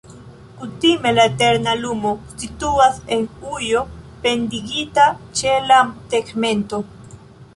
Kutime la eterna lumo situas en ujo pendigita ĉe la tegmento.